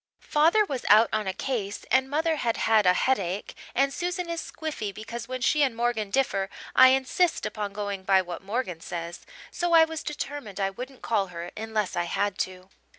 Father was out on a case, and mother had had a headache and Susan is squiffy because when she and Morgan differ I insist upon going by what Morgan says, so I was determined I wouldn't call her unless I had to.